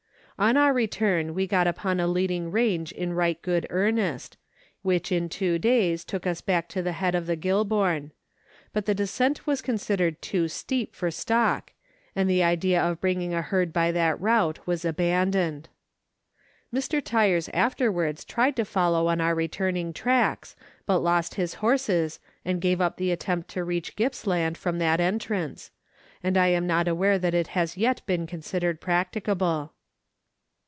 On our return we got upon a 174 Letters from Victorian Pioneers. leading range in right good earnest, which in two days took us back to the head of the Goulburn ; but the descent was considered too steep for stock, and the idea of bringing a herd by that route was abandoned. Mr. Tyers aftenvards tried to follow on our returning tracks, but lost his horses, and gave up the attempt to reach Gippsland from that entrance, and I am not aware that it has yet been con sidered practicable.